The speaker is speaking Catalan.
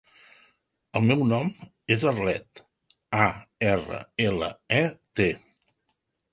El meu nom és Arlet: a, erra, ela, e, te.